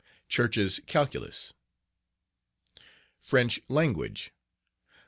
Church's Calculus. French Language...........